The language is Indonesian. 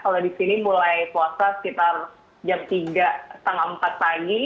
kalau di sini mulai puasa sekitar jam tiga setengah empat pagi